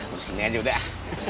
bersini aja udah